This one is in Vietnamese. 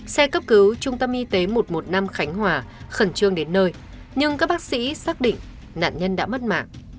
xe cấp cứu trung tâm y tế một trăm một mươi năm khánh hòa khẩn trương đến nơi nhưng các bác sĩ xác định nạn nhân đã mất mạng